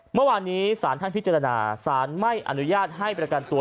เมื่อวานนี้สารท่านพิจารณาสารไม่อนุญาตให้ประกันตัว